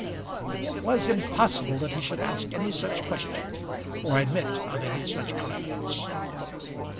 It was impossible that he should ask any such question, or admit of any such confidence.